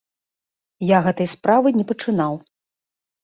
Я гэтай справы не пачынаў.